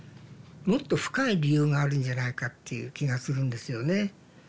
もっと深い理由があるんじゃないかっていう気がするんですよね。